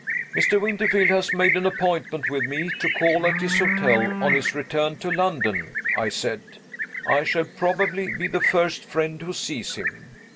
"Mr. Winterfield has made an appointment with me to call at his hotel, on his return to London," I said. "I shall probably be the first friend who sees him.